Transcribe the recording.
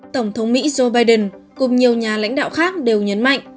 tổng thống mỹ joe biden cùng nhiều nhà lãnh đạo khác đều nhấn mạnh